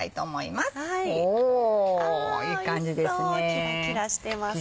キラキラしてます。